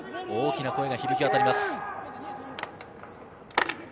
大きな声が響き渡ります。